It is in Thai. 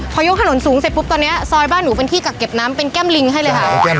พอยกถนนสูงเสร็จปุ๊บตอนนี้ซอยบ้านหนูเป็นที่กักเก็บน้ำเป็นแก้มลิงให้เลยค่ะ